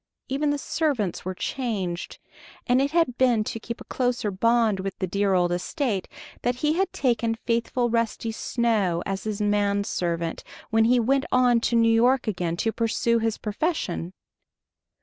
Even the servants were changed, and it had been to keep a closer bond with the dear old estate that he had taken faithful Rusty Snow as his manservant when he went on to New York again to pursue his profession.